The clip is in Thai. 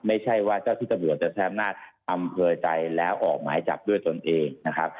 ไม่ใช่ว่าเจ้าที่ตำรวจจะใช้อำนาจอำเภอใจแล้วออกหมายจับด้วยตนเองนะครับ